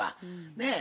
ねえ。